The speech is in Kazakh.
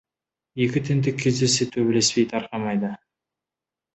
Екі тентек кездессе, төбелеспей тарқамайды.